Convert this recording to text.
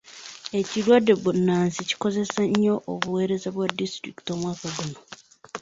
Ekirwadde bbunansi kikosezza nnyo obuweereza bwa disitulikiti omwaka guno.